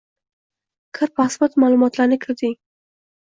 Kir Pasport ma'lumotlarini kiriting